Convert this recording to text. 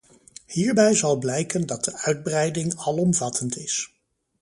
Hierbij zal blijken dat de uitbreiding alomvattend is.